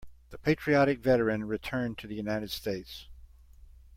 The patriotic veteran returned to the United States.